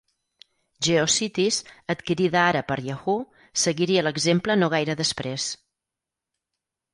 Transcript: GeoCities, adquirida ara per Yahoo!, seguiria l'exemple no gaire després.